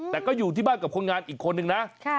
แต่ก็อยู่ที่บ้านกับคนงานอีกคนนึงนะ